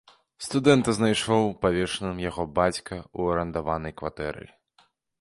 Студэнта знайшоў павешаным яго бацька ў арандаванай кватэры.